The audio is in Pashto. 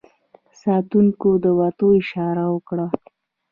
ساتونکو د وتلو اشاره وکړه.